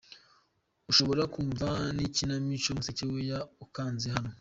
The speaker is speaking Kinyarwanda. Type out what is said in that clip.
Ushobora kumva n'ikinamico musekeweya ukanze hano.